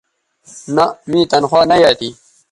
نہء می تنخوا نہ یایئ تھی